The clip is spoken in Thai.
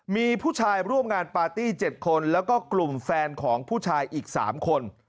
มีผู้ชายร่วมงานปาร์ตี้๗คนแล้วก็กลุ่มแฟนของผู้ชายอีก๓คน